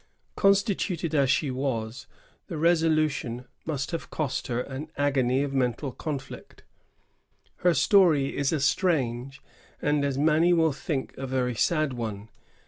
Constituted as she was, the resolution must have cost her an agony of mental conflict. Her story is a strange, and, as many will think, a 1662 1714] JEANNE LE BER. 169 very sad one.